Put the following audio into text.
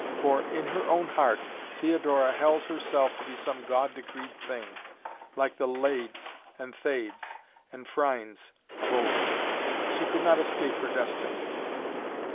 For, in her own heart, Theodora held herself to be some God decreed thing, like the Laides and Thaides and Phrynes of old. She could not escape her destiny.